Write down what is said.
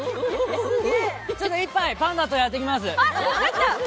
ちょっと１杯、パンダとやってきます。